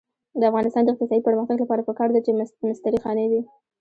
د افغانستان د اقتصادي پرمختګ لپاره پکار ده چې مستري خانې وي.